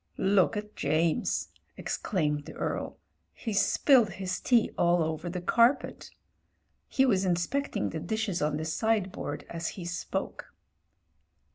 "Look at James !" exclaimed the Earl — "he's spilled his tea all over the carpet." He was inspecting the dishes on the sideboard as he spoke.